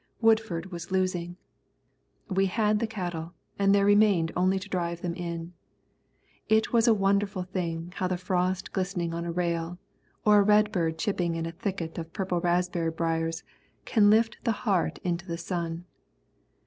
Woodford was losing. We had the cattle and there remained only to drive them in. It is a wonderful thing how the frost glistening on a rail, or a redbird chirping in a thicket of purple raspberry briers, can lift the heart into the sun.